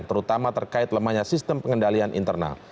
terutama terkait lemahnya sistem pengendalian internal